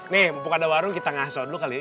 nih mumpung ada warung kita ngasuh dulu kali ya